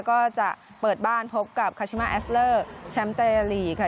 ก็จะเปิดบ้านพบกับคาชิมาแอสเลอร์แชมป์ใจลีกค่ะ